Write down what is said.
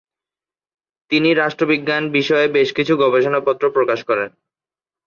তিনি রাষ্ট্রবিজ্ঞান বিষয়ে বেশ কিছু গবেষণাপত্র প্রকাশ করেন।